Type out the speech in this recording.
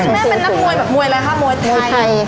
แม่เป็นนักมวยแบบมวยอะไรคะมวยไทย